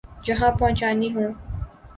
جہاں پہنچانی ہوں۔